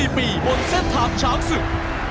๑๔ปีบนเซ็ตไทม์ช้างศึก